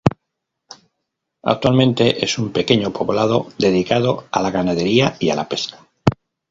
Actualmente es un pequeño poblado dedicado a la ganadería y a la pesca.